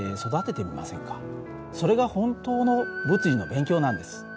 それが本当の物理の勉強なんです。